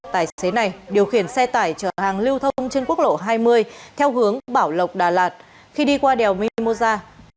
tài xế này điều khiển xe tải chở hàng lưu thông trên quốc lộ hai mươi theo hướng bảo lộc đà lạt khi đi qua đèo mimosa